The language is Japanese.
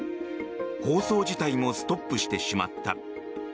放送自体もストップしてしまった。